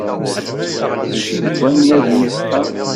Aql-ik deg wannag wis ṭam.